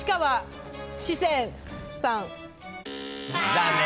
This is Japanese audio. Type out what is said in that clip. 残念。